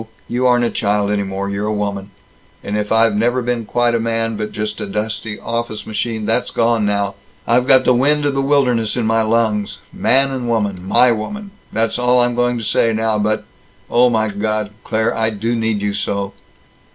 You aren't a child any more. You're a woman. And if I've never been quite a man, but just a dusty office machine, that's gone now. I've got the wind of the wilderness in my lungs. Man and woman! My woman! That's all I'm going to say now, but Oh my God, Claire, I do need you so!"